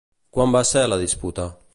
Quan va ser la disputa?